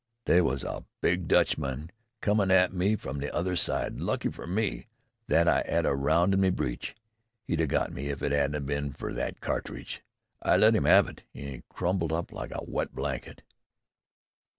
"They was a big Dutchman comin' at me from the other side. Lucky fer me that I 'ad a round in me breach. He'd 'a' got me if it 'adn't 'a' been fer that ca'tridge. I let 'im 'ave it an' 'e crumpled up like a wet blanket."